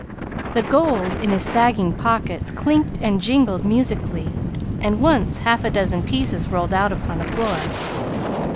The gold in his sagging pockets clinked and jingled musically; and once half a dozen pieces rolled out upon the floor.